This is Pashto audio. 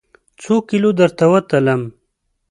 څوکیلو درته وتلم؟